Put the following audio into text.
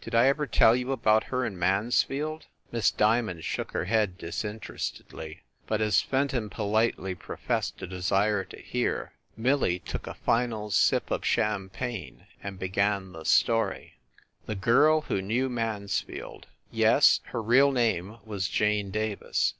Did I ever tell you about her and Mansfield ?" Miss Diamond shook her head disinterestedly, but as Fenton politely professed a desire to hear, Millie took a final sip of champagne and began the story : THE GIRL WHO KNEW MANSFIELD Yes, her real name was Jane Davis.